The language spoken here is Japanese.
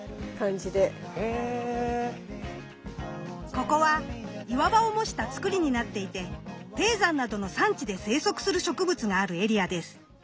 ここは岩場を模したつくりになっていて低山などの山地で生息する植物があるエリアです。